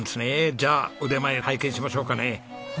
じゃあ腕前拝見しましょうかね。